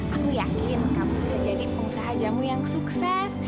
aku yakin kamu bisa jadi pengusaha jamu yang sukses